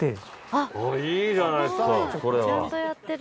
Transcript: いいじゃないですかそれは。